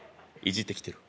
いじってきてる？